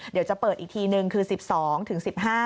เดี๋ยวจะเปิดอีกทีนึงคือ๑๒ถึง๑๕